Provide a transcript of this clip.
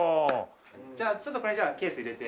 じゃあちょっとこれケース入れて。